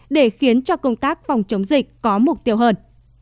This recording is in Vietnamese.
để khiến cho công tác phòng chống dịch có mục tiêu hơn